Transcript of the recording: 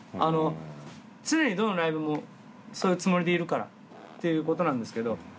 あの常にどのライブもそういうつもりでいるからっていうことなんですけど。